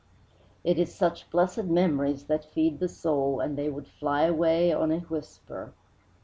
It is such blessed memories that feed the soul, and they would fly away on a whisper."